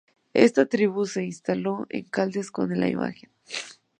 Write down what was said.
Esta tribu se instaló en Caldes con la imagen.